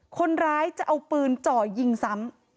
คนร้ายจะเอาปืนจ่อยิงซ้ำ